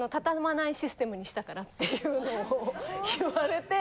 っていうのを言われて。